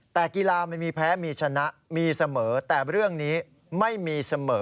แต่กีฬามันมีแพ้มีชนะมีเสมอแต่เรื่องนี้ไม่มีเสมอ